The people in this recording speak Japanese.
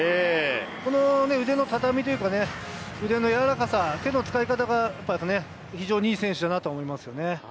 この腕のたたみというか、腕のやわらかさ、手の使い方がやっぱり非常に良い選手だなと思いますね。